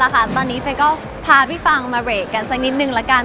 เอาล่ะค่ะตอนนี้ผมก็พาพี่ฟังมาเรกกันสักนิดนึงละกัน